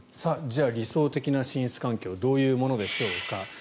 理想的な寝室環境はどういうものでしょうか。